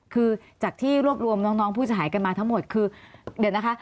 คือจากที่รวบรวมน้องผู้เสียหายกันมาทั้งหมดคือเดี๋ยวนะคะ